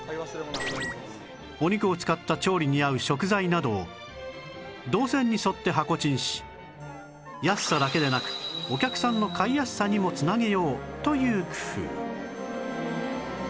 お肉を使った調理に合う食材などを導線に沿って箱チンし安さだけでなくお客さんの買いやすさにも繋げようという工夫